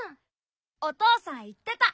おとうさんいってた。